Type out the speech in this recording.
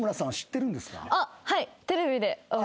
はい。